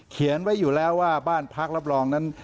เขียนไว้อยู่แล้วว่าบ้านพักรับรองนั้น